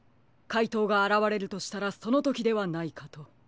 かいとうがあらわれるとしたらそのときではないかと。